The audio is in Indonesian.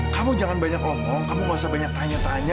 kamu jangan banyak ngomong kamu gak usah banyak tanya tanya